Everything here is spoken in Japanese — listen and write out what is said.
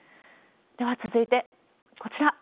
では続いて、こちら。